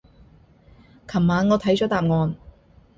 琴晚我睇咗答案